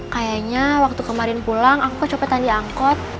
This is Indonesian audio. kayaknya waktu kemarin pulang aku kecopetan di angkot